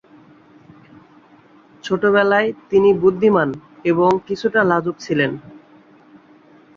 ছোটবেলায় তিনি বুদ্ধিমান এবং কিছুটা লাজুক ছিলেন।